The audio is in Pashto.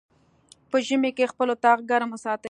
په ژمی کی خپل اطاق ګرم وساتی